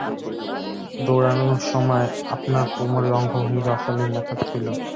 দৌঁড়ানোর সময় আপনার কোমরের অঙ্গভঙ্গি অশালীন দেখাচ্ছিল।